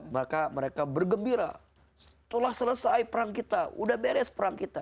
maka mereka bergembira setelah selesai perang kita udah beres perang kita